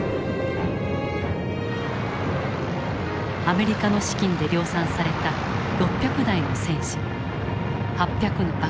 アメリカの資金で量産された６００台の戦車８００の爆撃機。